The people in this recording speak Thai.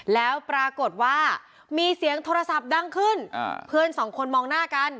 แล้วปรากฏว่ามีเสียงโทรศัพท์ดังขึ้นเพื่อนสองคนมองหน้ากัน